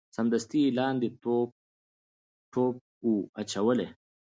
سمدستي یې لاندي ټوپ وو اچولی